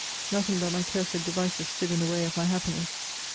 Nothing but my cursed devices stood in the way of my happiness.